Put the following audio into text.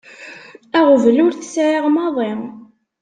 Aɣbel ur t-sεiɣ maḍi.